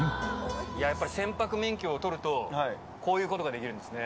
いや、やっぱり船舶免許を取ると、こういうことができるんですね。